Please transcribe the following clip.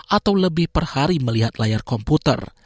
atau lebih per hari melihat layar komputer